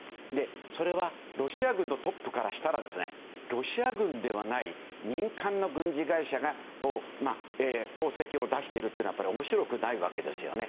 それはロシア軍のトップからしたらロシア軍ではない民間の軍事会社が功績を出しているというのは面白くないわけですよね。